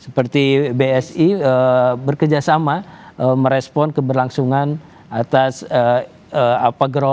seperti bsi berkerjasama merespon keberlangsungan atas apa yang kita lakukan